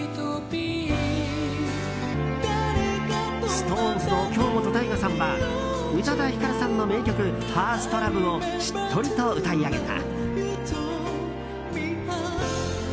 ＳｉｘＴＯＮＥＳの京本大我さんは宇多田ヒカルさんの名曲「ＦｉｒｓｔＬｏｖｅ」をしっとりと歌い上げた。